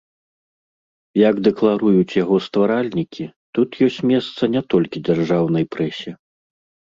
Як дэкларуюць яго стваральнікі, тут ёсць месца не толькі дзяржаўнай прэсе.